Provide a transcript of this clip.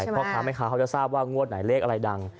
เพราะตามให้เขาจะทราบว่างว่าไหนเลขอะไรดัง